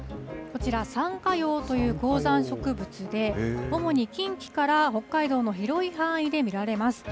こちら、サンカヨウという高山植物で、主に近畿から北海道の広い範囲で見られます。